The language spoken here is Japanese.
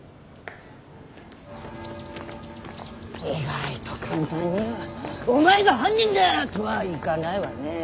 意外と簡単には「お前が犯人だ！」とはいかないわね。